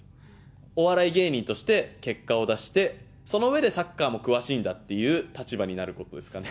お笑い芸人として結果を出して、その上でサッカーも詳しいんだっていう立場になることですかね。